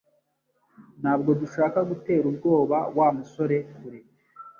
Ntabwo dushaka gutera ubwoba Wa musore kure